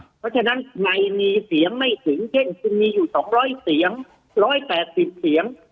เพราะฉะนั้นในมีเสียงไม่ถึงเช่นคุณมีอยู่๒๐๐เสียง๑๘๐เสียง